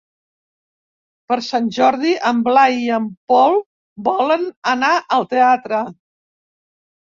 Per Sant Jordi en Blai i en Pol volen anar al teatre.